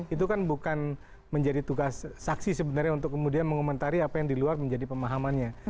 itu kan bukan menjadi tugas saksi sebenarnya untuk kemudian mengomentari apa yang di luar menjadi pemahamannya